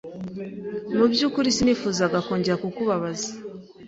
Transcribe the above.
Mu byukuri sinifuzaga kongera kukubabaza.